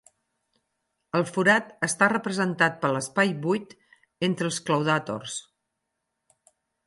El forat està representat per l'espai buit entre els claudàtors.